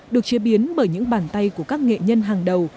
được chế biến bởi những bàn tay của các nghệ nhân hàng đầu